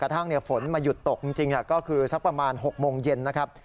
ทั้งฝนมาหยุดตกจริงก็คือสักประมาณ๖โมงเย็นนะครับ